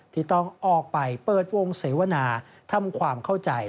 ที่ต้องออกไปเปิดวงเสวนาทำความเข้าใจ